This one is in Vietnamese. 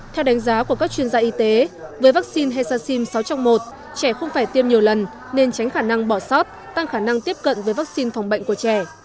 theo đánh giá của các chuyên gia y tế với vaccine hexacin sáu trong một trẻ không phải tiêm nhiều lần nên tránh khả năng bỏ sót tăng khả năng tiếp cận với vaccine phòng bệnh của trẻ